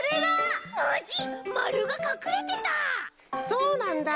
そうなんだ！